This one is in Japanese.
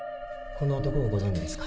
この男をご存じですか？